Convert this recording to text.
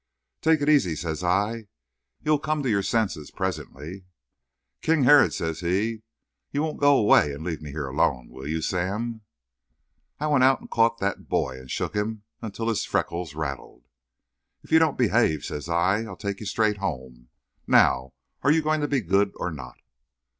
"Take it easy," says I. "You'll come to your senses presently." "King Herod," says he. "You won't go away and leave me here alone, will you, Sam?" I went out and caught that boy and shook him until his freckles rattled. "If you don't behave," says I, "I'll take you straight home. Now, are you going to be good, or not?"